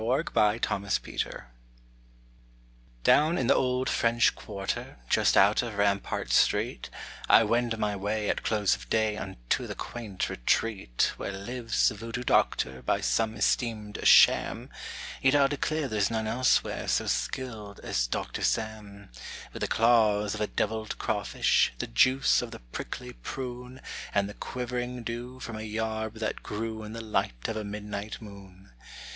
_ DR. SAM TO MISS GRACE KING Down in the old French quarter, Just out of Rampart street, I wend my way At close of day Unto the quaint retreat Where lives the Voodoo Doctor By some esteemed a sham, Yet I'll declare there's none elsewhere So skilled as Doctor Sam _With the claws of a deviled crawfish, The juice of the prickly prune, And the quivering dew From a yarb that grew In the light of a midnight moon!